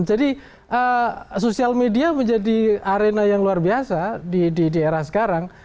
jadi social media menjadi arena yang luar biasa di era sekarang